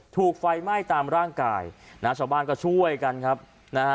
ถูกไฟไหม้ตามร่างกายนะฮะชาวบ้านก็ช่วยกันครับนะฮะ